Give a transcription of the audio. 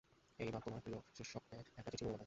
এইবার তোমার প্রিয়শিষ্যাকে একটি চিঠির নমুনা দাও।